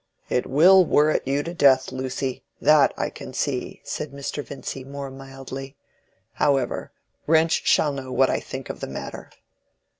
"It will worret you to death, Lucy; that I can see," said Mr. Vincy, more mildly. "However, Wrench shall know what I think of the matter."